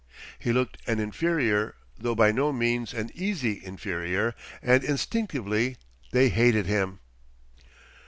He looked an inferior, though by no means an easy inferior, and instinctively they hated him.